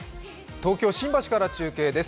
東京・新橋から中継です。